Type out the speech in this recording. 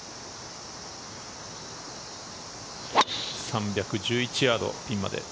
３１１ヤードピンまで。